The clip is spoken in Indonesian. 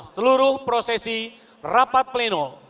seluruh prosesi rapat pleno